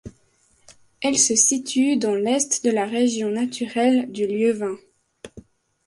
Elle se situe dans l'Est de la région naturelle du Lieuvin.